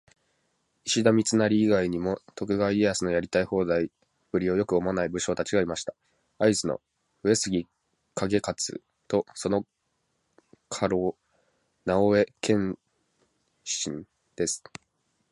石田三成以外にも、徳川家康のやりたい放題ぶりをよく思わない武将達がいました。会津の「上杉景勝」とその家老「直江兼続」です。